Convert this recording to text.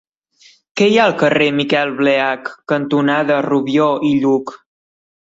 Què hi ha al carrer Miquel Bleach cantonada Rubió i Lluch?